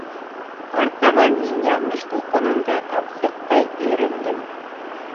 Артабан мин яҙмыш тулҡынында тапсыҡтай өйөрөлдөм.